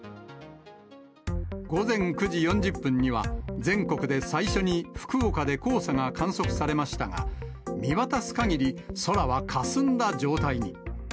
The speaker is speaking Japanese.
午前９時４０分には、全国で最初に福岡で黄砂が観測されましたが、見渡すかぎり空はかすんだ状態に。